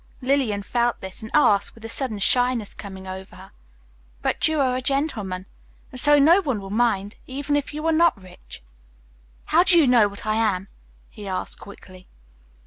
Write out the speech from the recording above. Lillian felt this, and asked, with a sudden shyness coming over her, "But you are a gentleman, and so no one will mind even if you are not rich." "How do you know what I am?" he asked quickly.